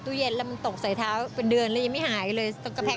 แล้วมันตกใส้เท้าเป็นเดือนยังไม่หายเลย